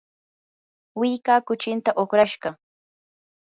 willkaa kuchinta uqrashqa.